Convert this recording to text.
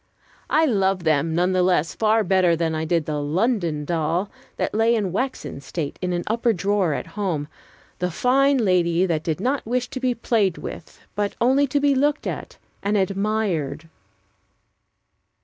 I loved them, nevertheless, far better than I did the London doll that lay in waxen state in an upper drawer at home, the fine lady that did not wish to be played with, but only to be looked at and admired.